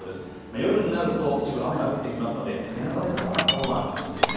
夜になると一部雨が降ってきますので念のため傘があったほうが安心ですね。